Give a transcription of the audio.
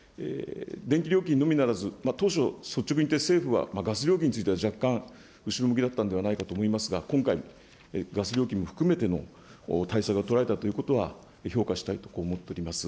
電気料金のみならず、当初、率直に言って、政府はガス料金については若干後ろ向きだったんではないかと思いますが、今回、ガス料金も含めての対策が取られたということは評価したいと、こう思っております。